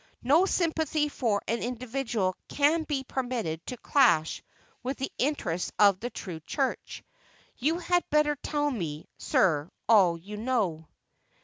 No sympathy for an individual can be permitted to clash with the interests of the true Church. You had better tell me, sir, all you know."